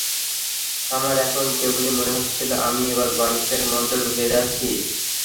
আমার এখন কেবলই মনে হচ্ছিল, আমি এবার গল্পের মধ্যে ঢুকে যাচ্ছি।